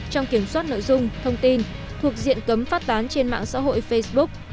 trong kiểm soát nội dung thông tin thuộc diện cấm phát tán trên mạng xã hội facebook